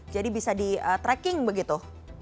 jadi bisa di tracking begitu